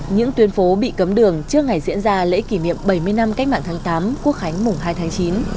những tuyến phố bị cấm đường trước ngày diễn ra lễ kỷ niệm bảy mươi năm cách mạng tháng tám quốc khánh mùng hai tháng chín